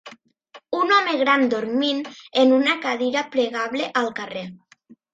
Un home gran dormint en una cadira plegable al carrer.